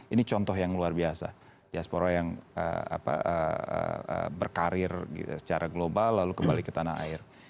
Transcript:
ini contoh yang luar biasa diaspora yang berkarir secara global lalu kembali ke tanah air